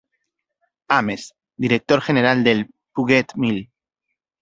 Ames, director general del "Puget Mill".